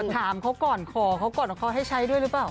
ถามเขาก่อนขอเขาก่อนว่าเขาให้ใช้ด้วยหรือเปล่า